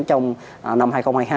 trong năm hai nghìn hai mươi hai